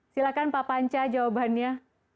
silahkan pak panca jawabannya